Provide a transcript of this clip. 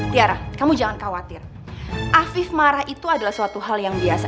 tiara kamu jangan khawatir afif marah itu adalah suatu hal yang biasa